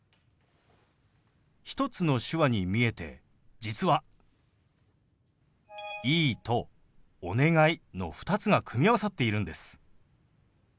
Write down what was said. １つの手話に見えて実は「いい」と「お願い」の２つが組み合わさっているんです。